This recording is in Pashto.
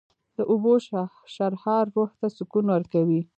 د اوبو شرهار روح ته سکون ورکوي